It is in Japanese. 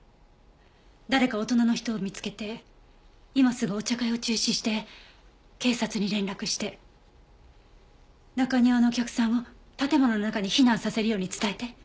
誰か大人の人を見つけて今すぐお茶会を中止して警察に連絡して中庭のお客さんを建物の中に避難させるように伝えて。